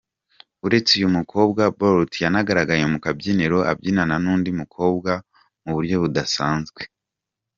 Uretse uyu mukobwa, Bolt yanagaragaye mu kabyiniro abyinana n’undi mukobwa mu buryo budasanzwe.